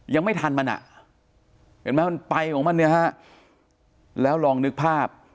ยังไม่ทันมันอ่ะเห็นไหมมันไปของมันเนี่ยฮะแล้วลองนึกภาพ